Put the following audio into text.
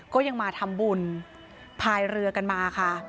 ก็ยังมาทำบุญพายเรือกันมาค่ะ